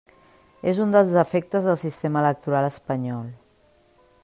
És un dels defectes del sistema electoral espanyol.